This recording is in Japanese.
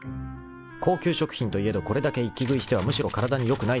［高級食品といえどこれだけ一気食いしてはむしろ体に良くないであろう。